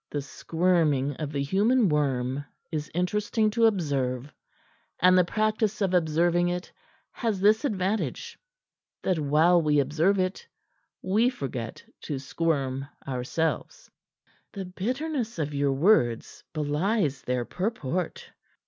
The squirming of the human worm is interesting to observe, and the practice of observing it has this advantage, that while we observe it we forget to squirm ourselves." "The bitterness of your words belies their purport."